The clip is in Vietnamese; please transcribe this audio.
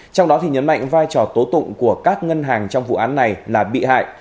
trong đó nhấn mạnh vai trò tố tụng của các ngân hàng trong vụ án này là bị hại